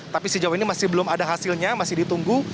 tapi sejauh ini masih belum ada hasilnya masih ditunggu